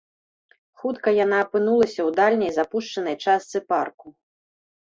Хутка яна апынулася ў дальняй, запушчанай частцы парку.